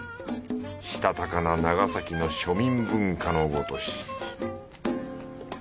したたかな長崎の庶民文化のごとし